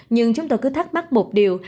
nhưng chúng tôi cứ thắc mắc một điều